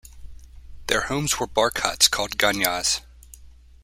Their homes were bark huts called 'gunyahs'.